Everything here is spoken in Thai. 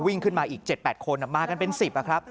วิ่งขึ้นมาอีก๗๘คนมากันเป็น๑๐ครับ